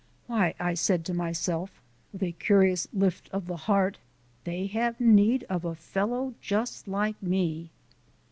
"Why," I said to myself with a curious lift of the heart, "they have need of a fellow just like me."